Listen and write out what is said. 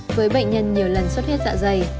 với bệnh nhân nhiều lần suất huyết dạ dày